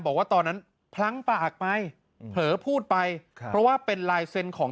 บอกว่าตอนนั้นพลั้งปากไปเผลอพูดไปค่ะเพราะว่าเป็นลายเซ็นต์ของ